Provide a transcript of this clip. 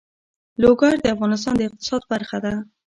لوگر د افغانستان د اقتصاد برخه ده.